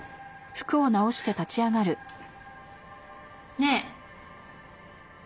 ねえ。